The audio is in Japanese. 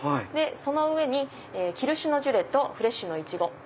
その上にキルシュのジュレとフレッシュのイチゴ。